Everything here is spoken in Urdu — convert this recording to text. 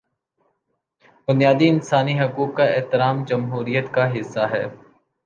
بنیادی انسانی حقوق کا احترام جمہوریت کا حصہ ہے۔